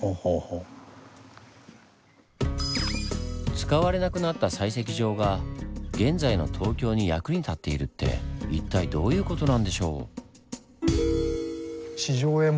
使われなくなった採石場が現在の東京に役に立っているって一体どういう事なんでしょう？